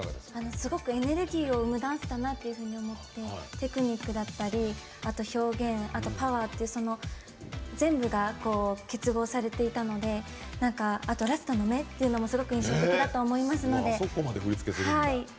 すごくエネルギーを生むダンスだなと思ってテクニックだったりあと表現、あとパワーって全部が結合されていたのでラストの「目」っていうのがすごく印象的だと思います。